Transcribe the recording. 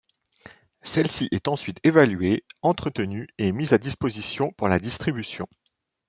Celle-ci est ensuite évaluée, entretenue et mise à disposition pour la distribution.